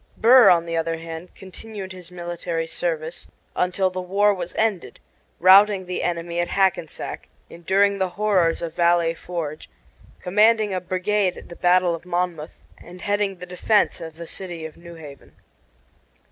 Burr, on the other hand, continued his military service until the war was ended, routing the enemy at Hackensack, enduring the horrors of Valley Forge, commanding a brigade at the battle of Monmouth, and heading the defense of the city of New Haven.